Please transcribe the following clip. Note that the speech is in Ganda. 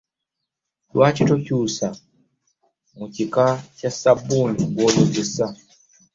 Lwaki tokyuusa ku kika kya sabuuni gw'okozesa?